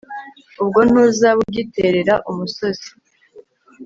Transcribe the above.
ubwo ntuzaba ugiterera umusozi